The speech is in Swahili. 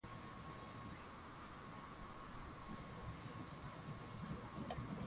Guevara alipewa jina la che huko Amerika ya Kati likimaanisha